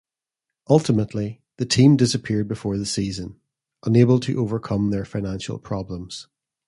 Ultimately, the team disappeared before the season, unable to overcome their financial problems.